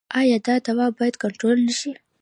آیا دا دود باید کنټرول نشي؟